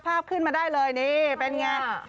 ภาพขึ้นมาได้เลยนี่เป็นอย่างไร